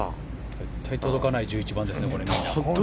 絶対届かない１１番ですね。